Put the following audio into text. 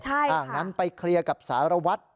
ถ้างั้นไปเคลียร์กับสารวัตร